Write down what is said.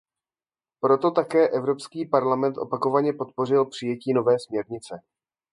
Proto také Evropský parlament opakovaně podpořil přijetí nové směrnice.